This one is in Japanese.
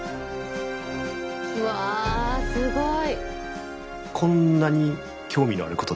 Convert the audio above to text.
うわすごい。